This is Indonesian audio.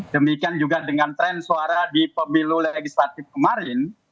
demikian juga dengan tren suara di pemilu legislatif kemarin